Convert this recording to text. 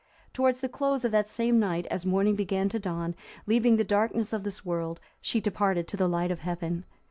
Towards the close of that same night, as morning began to dawn, leaving the darkness of this world, she departed to the light of heaven.